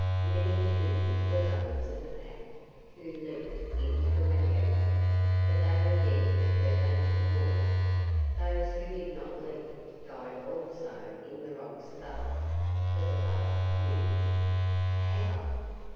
Many, too, were those of the Pack who leaped into the Waingunga, but they were dead ere they took water. Those who did not leap died also in the rocks above. But the buck lived." "How?"